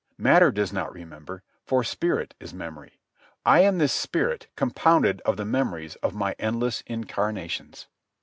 Matter does not remember, for spirit is memory. I am this spirit compounded of the memories of my endless incarnations.